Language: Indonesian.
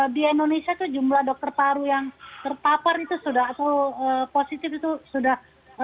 di indonesia jumlah dokter paru yang terpapar itu sudah atau positif itu sudah satu ratus dua puluh tujuh